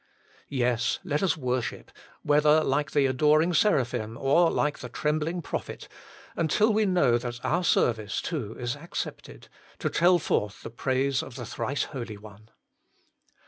Yes, let us worship, 112 HOLY IN CHRIST. whether like the adoring seraphim, or like the trembling prophet, until we know that our service too is accepted, to tell forth the praise of the Thrice Holy One.